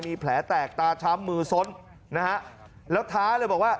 มีแผลแตกตาช้ำมือซ้นนะฮะแล้วท้าเลยบอกว่า